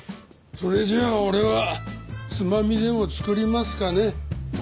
それじゃあ俺はつまみでも作りますかね。